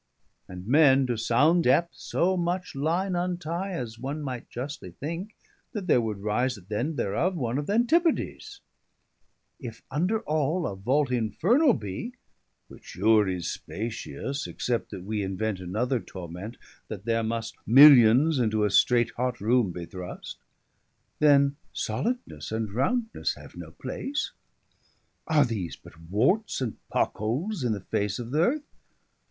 And men, to sound depths, so much line untie, As one might justly thinke, that there would rise At end thereof, one of th'Antipodies: If under all, a Vault infernall bee, 295 (Which sure is spacious, except that we Invent another torment, that there must Millions into a straight hot roome be thrust) Then solidnesse, and roundnesse have no place. Are these but warts, and pock holes in the face 300 Of th'earth?